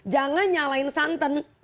jangan nyalain santan